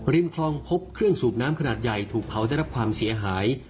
คลองพบเครื่องสูบน้ำขนาดใหญ่ถูกเผาได้รับความเสียหาย